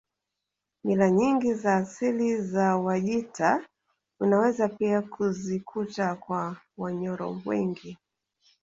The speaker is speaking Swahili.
Mila nyingi za asili za Wajita unaweza pia kuzikuta kwa Wanyoro wengi